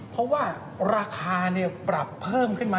เพราะว่าราคาปรับเพิ่มขึ้นมา